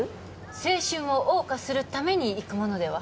青春をおう歌するために行くものでは？